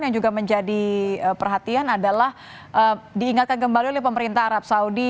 yang juga menjadi perhatian adalah diingatkan kembali oleh pemerintah arab saudi